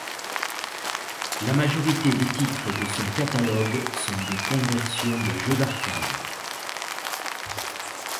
La majorité des titres de son catalogue sont des conversions de jeux d'arcade.